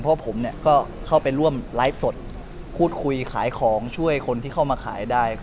เพราะผมก็เข้าไปร่วมไลฟ์สดพูดคุยขายของช่วยคนที่เข้ามาขายได้